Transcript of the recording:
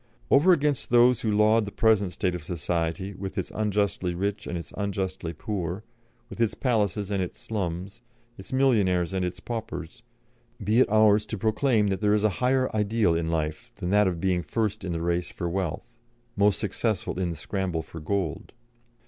"Over against those who laud the present state of Society, with its unjustly rich and its unjustly poor, with its palaces and its slums, its millionaires and its paupers, be it ours to proclaim that there is a higher ideal in life than that of being first in the race for wealth, most successful in the scramble for gold.